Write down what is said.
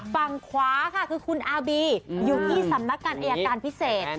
ฝั่งขวาค่ะคือคุณอาบีอยู่ที่สำนักการอายการพิเศษ